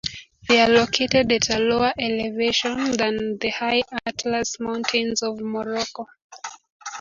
They are located at a lower elevation than the High Atlas mountains of Morocco.